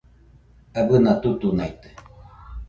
Abɨna tutunaite